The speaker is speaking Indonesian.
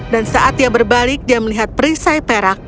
dan saat dia berbalik dia melihat perisai perak